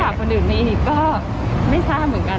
อันนี้ไม่ทราบเหมือนกัน